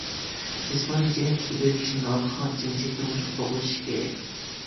جىسمانىي جەھەتتىكى بىرىكىشتىن ھالقىغان جىنسىي تۇرمۇشنى قوغلىشىش كېرەك!